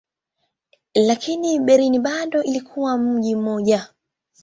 Lakini Berlin bado ilikuwa mji mmoja.